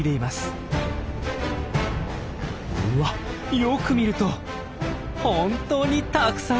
うわっよく見ると本当にたくさんいます！